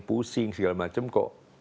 pusing segala macam kok